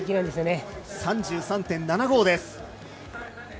３３．７５です。